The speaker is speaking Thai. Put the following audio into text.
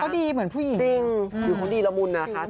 อยู่ก็ดีเหมือนผู้หญิงจริงอยู่ก็ดีละมุนนะคะ